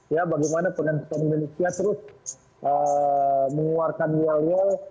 ya bagaimana penonton indonesia terus mengeluarkan wall wall